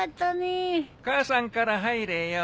母さんから入れよ。